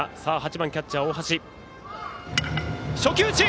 ８番、キャッチャー、大橋。